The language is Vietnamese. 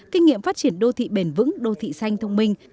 kinh nghiệm phát triển đô thị bền vững đô thị xanh thông minh